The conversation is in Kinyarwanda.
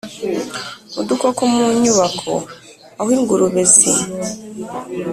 udukoko mu nyubako aho ingurube zi